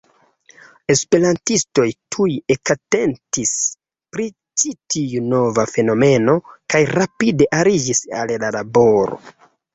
Esperantistoj tuj ekatentis pri ĉi tiu nova fenomeno, kaj rapide aliĝis al la laboro.